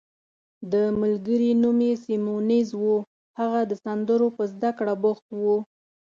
د ملګري نوم یې سیمونز وو، هغه د سندرو په زده کړه بوخت وو.